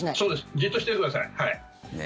じっとしててください。